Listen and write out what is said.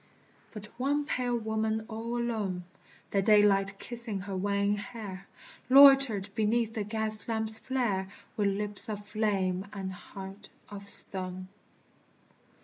But one pale woman all alone, The daylight kissing her wan hair, Loitered beneath the gas lamps' flare, With lips of flame and heart of stone.